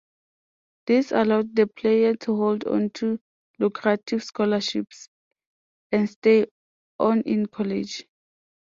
This allowed the player to hold onto lucrative scholarships and stay on in college.